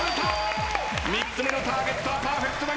３つ目のターゲットはパーフェクトなりません。